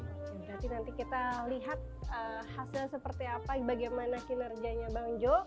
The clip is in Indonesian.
oke berarti nanti kita lihat hasil seperti apa bagaimana kinerjanya bang jo